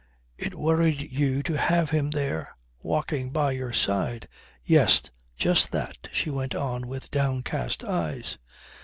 "It worried you to have him there, walking by your side." "Yes. Just that," she went on with downcast eyes.